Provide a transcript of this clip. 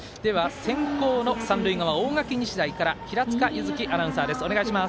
先攻の三塁側、大垣日大から平塚柚希アナウンサーです。